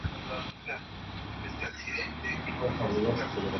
En ambos muestra igualmente un gusto nacionalista con elementos del manuelino.